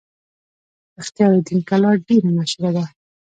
اختیار الدین کلا ډیره مشهوره ده